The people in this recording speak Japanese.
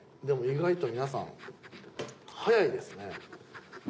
でも意外と皆さん早いですね。